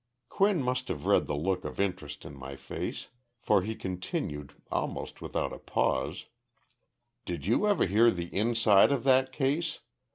Quinn must have read the look of interest in my face, for he continued, almost without a pause: "Did you ever hear the inside of that case?